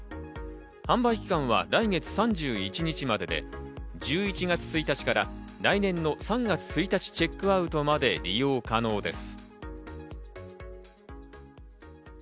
販売期間は来月３１日までで、１１月１日から来年の３月１日チェックアウトまで利用可能です。